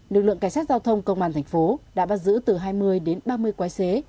lực lượng cảnh sát giao thông công an thành phố đã bắt giữ từ hai mươi đến ba mươi quái xế